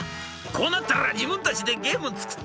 「こうなったら自分たちでゲーム作ってみるか。